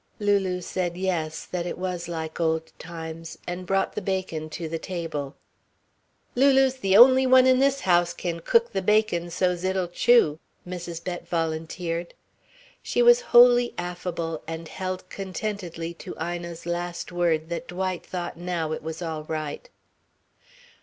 Lulu said yes, that it was like old times, and brought the bacon to the table. "Lulu's the only one in this house can cook the bacon so's it'll chew," Mrs. Bett volunteered. She was wholly affable, and held contentedly to Ina's last word that Dwight thought now it was all right.